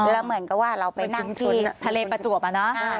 แล้วเหมือนกับว่าเราไปนั่งที่ที่ท่องเที่ยวทะเลประจวบอะเนอะ